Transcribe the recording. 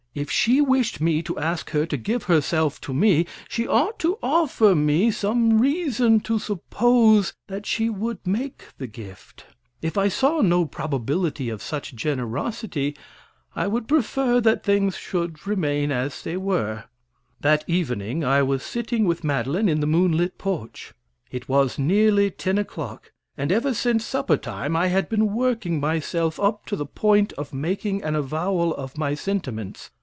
If she wished me to ask her to give herself to me, she ought to offer me some reason to suppose that she would make the gift. If I saw no probability of such generosity, I would prefer that things should remain as they were. That evening I was sitting with Madeline in the moonlit porch. It was nearly ten o'clock, and ever since supper time I had been working myself up to the point of making an avowal of my sentiments.